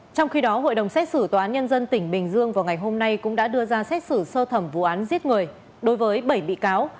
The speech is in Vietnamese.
trong khi đó hội đồng xét xử tòa án nhân dân tỉnh bình dương vào ngày hôm nay cũng đã đưa ra xét xử sơ thẩm vụ án giết người đối với bảy bị cáo